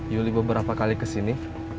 yuli beberapa kali kesini